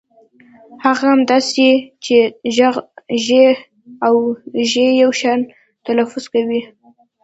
هغه هم داسې چې ږ او ژ يو شان تلفظ کوي.